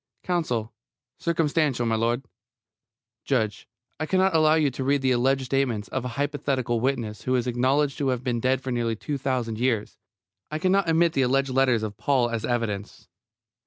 COUNSEL: Circumstantial, m'lud. JUDGE: I cannot allow you to read the alleged statements of a hypothetical witness who is acknowledged to have been dead for nearly two thousand years. I cannot admit the alleged letters of Paul as evidence.